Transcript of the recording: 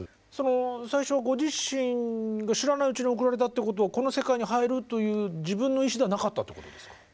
最初ご自身が知らないうちに送られたということはこの世界に入るという自分の意思ではなかったということですか？